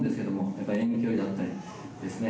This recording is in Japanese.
やっぱり遠距離だったりですね